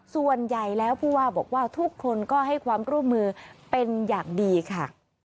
ส่วนใหญ่แล้วผู้ว่าบอกว่าทุกคนก็ให้ความร่วมมือเป็นอย่างดีค่ะ